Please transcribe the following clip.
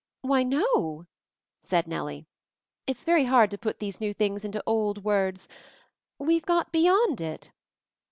"Why, no—" said Nellie. "It's very hard to put these new things into old words — We've got beyond it."